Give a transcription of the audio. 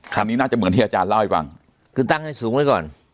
นี้น่าจะเหมือนที่อาจารย์เล่าให้ฟังคือตั้งให้สูงไว้ก่อน